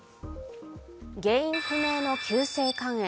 原因不明の急性肝炎。